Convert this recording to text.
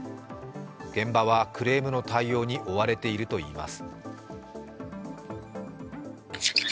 現場はクレームの対応に追われているといいます。